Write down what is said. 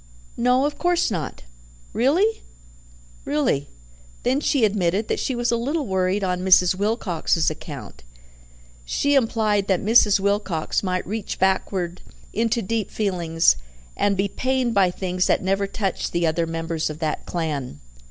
"No, of course not." "Really?" "Really." Then she admitted that she was a little worried on Mrs. Wilcox's account; she implied that Mrs. Wilcox might reach backward into deep feelings, and be pained by things that never touched the other members of that clan.